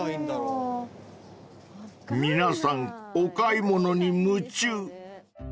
［皆さんお買い物に夢中］